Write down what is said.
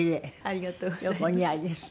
ありがとうございます。